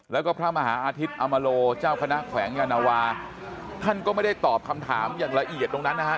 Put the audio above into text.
แล้วก็พระมหาอาทิตย์อมโลเจ้าคณะแขวงยานวาท่านก็ไม่ได้ตอบคำถามอย่างละเอียดตรงนั้นนะฮะ